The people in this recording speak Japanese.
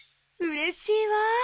うれしいわ。